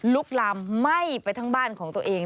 ลุกลามไหม้ไปทั้งบ้านของตัวเอง